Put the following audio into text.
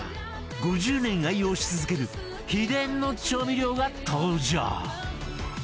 ５０年愛用し続ける秘伝の調味料が登場